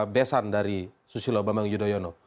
besan dari susilo bambang yudhoyono